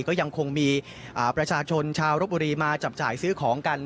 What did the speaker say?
ก็ยังคงมีประชาชนชาวรบบุรีมาจับจ่ายซื้อของกัน